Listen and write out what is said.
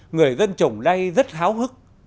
người dân trồng đay rất háo hức